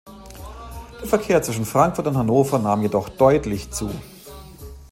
Der Verkehr zwischen Frankfurt und Hannover nahm jedoch deutlich zu.